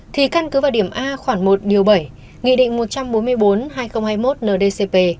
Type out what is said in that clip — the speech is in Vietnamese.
thì căn cứ vào điểm a khoảng một điều bảy nghị định một trăm bốn mươi bốn hai nghìn hai mươi một ndcp